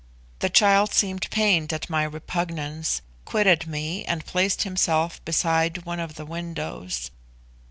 The child seemed pained at my repugnance, quitted me, and placed himself beside one of the windows.